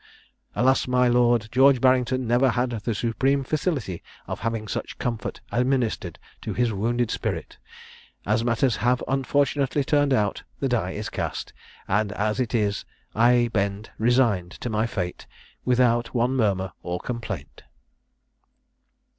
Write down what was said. Alas, my Lord, George Barrington never had the supreme felicity of having such comfort administered to his wounded spirit. As matters have unfortunately turned out, the die is cast, and as it is, I bend resigned to my fate, without one murmur or complaint."